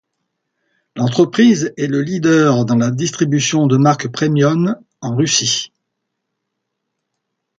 L'entreprise est le leader dans la distribution de marques premium en Russie.